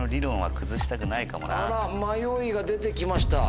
あら迷いが出て来ました。